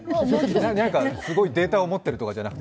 何かすごいデータを持っているとかじゃなくて。